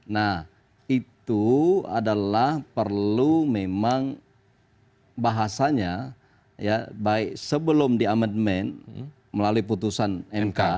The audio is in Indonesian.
nah itu adalah perlu memang bahasanya ya baik sebelum di amandemen melalui putusan mk